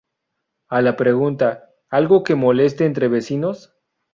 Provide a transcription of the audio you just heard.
A la pregunta "¿Algo que moleste entre vecinos?